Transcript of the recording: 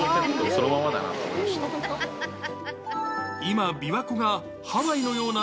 そのままだな